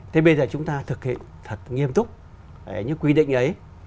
thế bây giờ chúng ta thực hiện thật nghiêm túc như quy định ấy